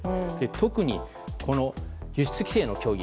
特に、輸出規制の協議